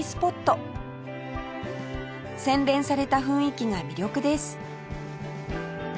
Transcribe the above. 洗練された雰囲気が魅力です